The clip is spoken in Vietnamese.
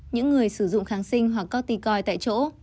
những người sử dụng kháng sinh hoặc cotticoin tại chỗ